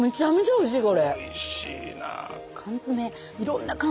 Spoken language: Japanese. おいしいな。